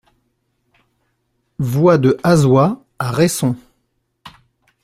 Voie de Hasoy à Resson